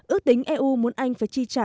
ước tính eu muốn anh phải chi trả